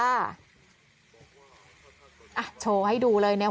โชว์ให้ดูเลยเนี่ย